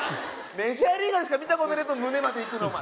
メジャーリーガーしか見た事ねえぞ胸までいくのお前。